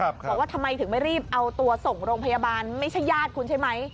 บอกว่าทำไมถึงไม่รีบเอาตัวส่งโรงพยาบาลไม่ใช่ญาติคุณใช่ไหม